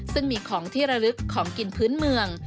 ซึ่งมีของที่ระลึกของกินพื้นเมือง